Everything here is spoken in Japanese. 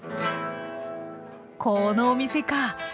このお店か！